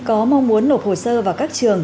có mong muốn nộp hồ sơ vào các trường